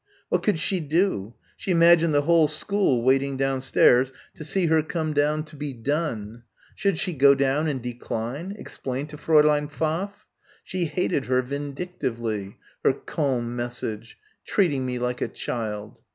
What could she do? She imagined the whole school waiting downstairs to see her come down to be done. Should she go down and decline, explain to Fräulein Pfaff. She hated her vindictively her "calm" message "treating me like a child."